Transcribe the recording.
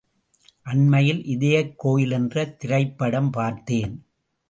அண்மையில் இதயக் கோயில் என்ற திரைப்படம் பார்த்தேன்.